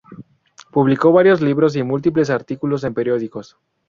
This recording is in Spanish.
Publicó varios libros y múltiples artículos en periódicos.